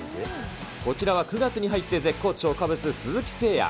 こちらは９月に入って絶好調、カブス、鈴木誠也。